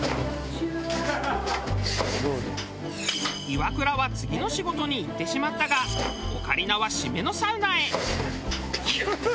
イワクラは次の仕事に行ってしまったがオカリナは締めのサウナへ。